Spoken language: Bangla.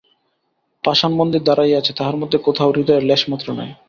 পাষাণমন্দির দাঁড়াইয়া আছে, তাহার মধ্যে কোথাও হৃদয়ের লেশমাত্র নাই।